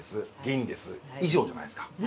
銀です以上じゃないですか。